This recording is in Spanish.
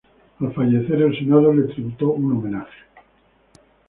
Al fallecer, el Senado le tributó un homenaje.